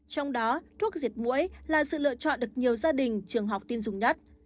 trong đó thuốc diệt mũi là sự lựa chọn được nhiều gia đình trường học tin dùng nhất